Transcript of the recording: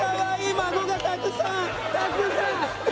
孫がたくさんたくさん。